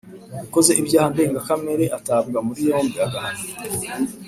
Ukoze ibyaha ndenga kamere atabwa muri yombi agahanwa